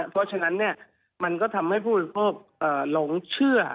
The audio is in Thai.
เพราะฉะนั้นมันก็ทำให้ผู้บริโภคหลงเชื่อ